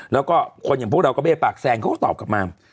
แล้วก็คนอย่างพวกเราก็เบ้ปากแซงเขาก็ตอบกลับมา